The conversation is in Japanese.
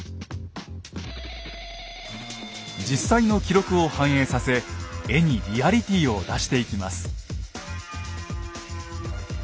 実際の記録を反映させ絵にリアリティーを出していきます。